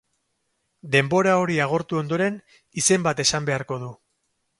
Denbora hori agortu ondoren, izen bat esan beharko du.